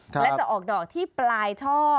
และจะออกดอกที่ปลายช่อ